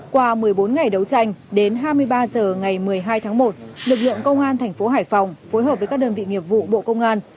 qua một mươi bốn ngày đấu tranh đến hai mươi ba h ngày một mươi hai tháng một lực lượng công an thành phố hải phòng phối hợp với các đơn vị nghiệp vụ bộ công an